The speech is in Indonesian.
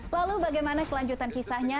lalu bagaimana kelanjutan kisahnya